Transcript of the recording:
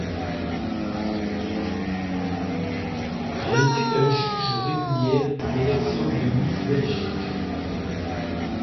Elle était un juge régulière à l'élection de Miss Belgique.